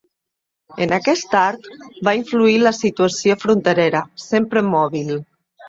En aquest art va influint la situació fronterera, sempre mòbil.